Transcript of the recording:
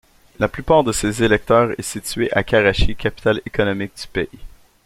La plupart de ses électeurs est située à Karachi, capitale économique du pays.